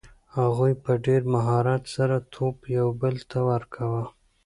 هغوی په ډېر مهارت سره توپ یو بل ته ورکاوه.